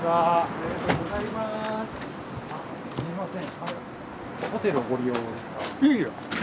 すいません。